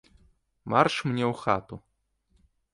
Марш мне ў хату.